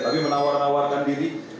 tapi menawarkan diri